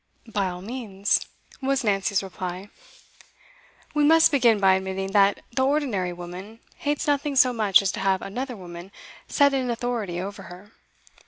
'By all means,' was Nancy's reply. 'We must begin by admitting that the ordinary woman hates nothing so much as to have another woman set in authority over her.